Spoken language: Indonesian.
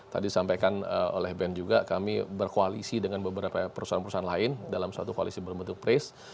tadi sampaikan oleh ben juga kami berkoalisi dengan beberapa perusahaan perusahaan lain dalam satu koalisi berbentuk prace